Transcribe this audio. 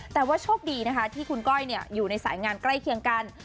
แต่ว่าโชคดีนะคะที่คุณก้อยอยู่ในสายงานใกล้เคียงกัน